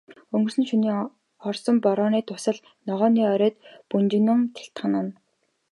Өнгөрсөн шөнийн орсон борооны дусал ногооны оройд бөнжгөнөн гялтганана.